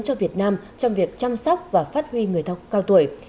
cho việt nam trong việc chăm sóc và phát huy người cao tuổi